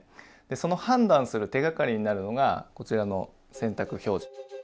その判断する手がかりになるのがこちらの洗濯表示。